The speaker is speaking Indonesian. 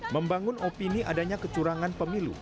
membangun opini adanya kecurangan pemilu